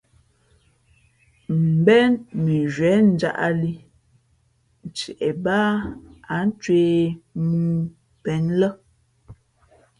Mbén mʉnzhwē njāʼlī ntie bāā ǎ ncwēh mōō pēn lά.